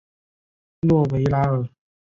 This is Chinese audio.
诺维拉尔。